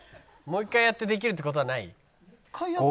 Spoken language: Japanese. もう一回やってできるって事はない？